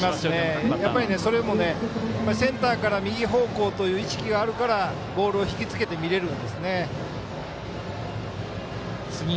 やっぱりセンターから右方向という意識があるからボールを引きつけて見れるんです。